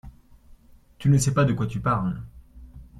Tu ne sais pas de quoi tu parles.